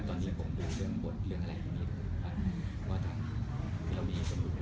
ตอนนี้ผมคือเรื่องอะไร